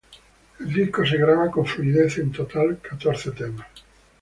El disco se graba con fluidez, en total catorce temas.